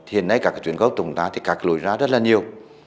hiện nay các cái tuyến cao tốc của chúng ta thì cạc lối ra rất là nhiều